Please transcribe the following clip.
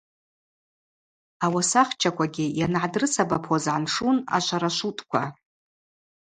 Ауасахчаквагьи йангӏадрысабапуаз гӏаншун ашварашвутӏква.